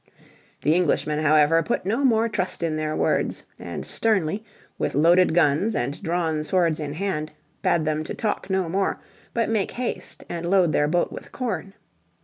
The Englishmen, however, put no more trust in their words and sternly, with loaded guns and drawn swords in hand, bade them to talk no more, but make haste and load their boat with corn.